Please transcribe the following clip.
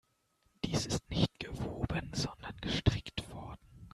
Dies ist nicht gewoben, sondern gestrickt worden.